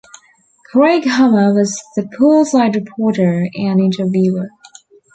Craig Hummer was the poolside reporter and interviewer.